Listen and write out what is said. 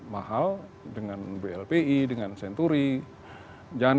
mahal dengan blpi dengan senturi